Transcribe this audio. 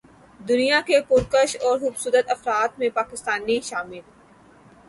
دنیا کے پرکشش اور خوبصورت افراد میں پاکستانی شامل